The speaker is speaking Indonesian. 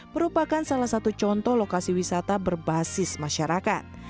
merupakan salah satu contoh lokasi wisata berbasis masyarakat